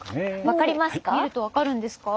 分かりますか？